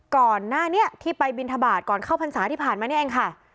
ก่อนหน้านี้ที่ไปบินทบาทก่อนเข้าพรรษาที่ผ่านมานี่เองค่ะ